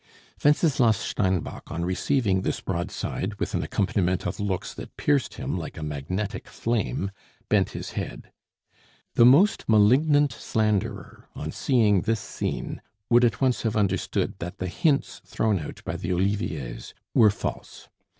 Wenceslas Steinbock, on receiving this broadside, with an accompaniment of looks that pierced him like a magnetic flame, bent his head. The most malignant slanderer on seeing this scene would at once have understood that the hints thrown out by the Oliviers were false.